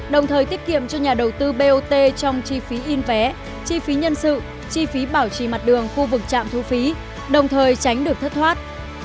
đồng thời tiết kiệm cho nhà đầu tư bot trong chi phí in vé chi phí nhân sự chi phí bảo trì mặt đường khu vực trạm thu phí đồng thời tránh được thất thoát